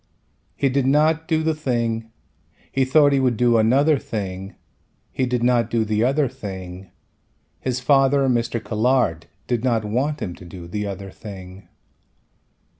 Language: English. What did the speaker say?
He did not do the thing, he thought he would do another thing, he did not do the other thing, his father Mr. Colhard did not want him to do the other thing.